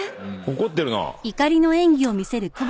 怒ってるな。